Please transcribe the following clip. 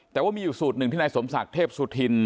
แต่ว่ามีอยู่สูตรหนึ่งที่นายสมศักดิ์เทพสุธิน